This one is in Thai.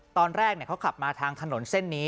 ตอนแรกเขาขับมาทางถนนเส้นนี้